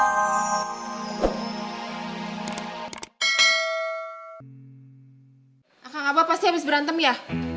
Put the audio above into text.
akang aba pasti habis berantem ya